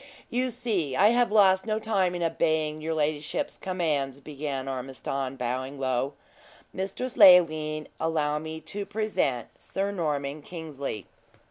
"You see I have lost no time in obeying your ladyship's commands," began Ormiston, bowing low. "Mistress Leoline, allow me to present Sir Norman Kingsley."